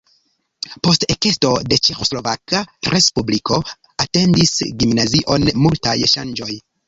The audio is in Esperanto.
Post ekesto de Ĉeĥoslovaka Respubliko atendis gimnazion multaj ŝanĝoj.